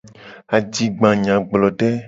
Adigbanyagblode.